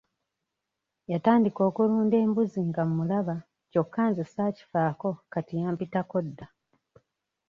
Yatandika okulunda embuzi nga mmulaba kyokka nze saakifaako kati yampitako dda.